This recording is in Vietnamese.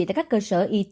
tại các cơ sở it